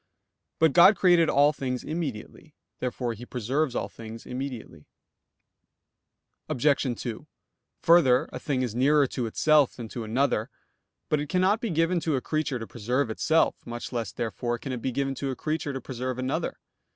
But God created all things immediately. Therefore He preserves all things immediately. Obj. 2: Further, a thing is nearer to itself than to another. But it cannot be given to a creature to preserve itself; much less therefore can it be given to a creature to preserve another.